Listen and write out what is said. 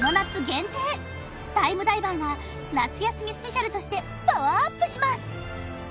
限定タイムダイバーが夏休みスペシャルとしてパワーアップします